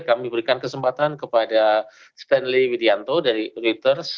kami berikan kesempatan kepada stanley widianto dari reuters